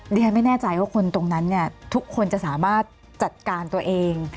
ดิฉันไม่แน่ใจว่าคนตรงนั้นเนี่ยทุกคนจะสามารถจัดการตัวเอง